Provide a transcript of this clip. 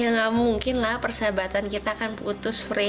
ya gak mungkin persahabatan kita akan putus frey